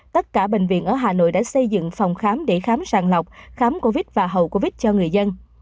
tất cả bệnh viện ở hà nội đã xây dựng phòng khám để khám sàng lọc khám covid và hậu covid cho người dân